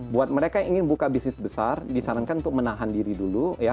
buat mereka yang ingin buka bisnis besar disarankan untuk menahan diri dulu